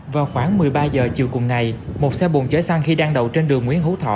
vào khoảng một mươi ba h chiều cùng ngày một xe bồn chở xăng khi đang đậu trên đường nguyễn hữu thọ